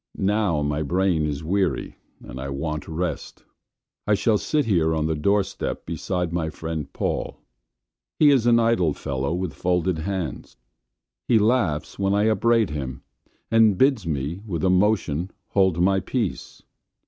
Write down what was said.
Now my brain is weary and I want rest. I shall sit here on the door step beside my friend Paul. He is an idle fellow with folded hands. He laughs when I upbraid him, and bids me, with a motion, hold my peace.